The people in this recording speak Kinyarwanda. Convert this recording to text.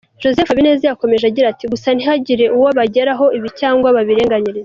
Joseph Habineza yakomeje agira ati :“ Gusa ntihagire uwo bagerekaho ibi cyangwa babirenganyirize.